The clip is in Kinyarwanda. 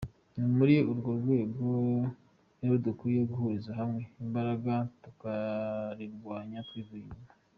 Ni muri urwo rwego rero dukwiye guhuriza hamwe imbaraga tukarirwanya twivuye inyuma.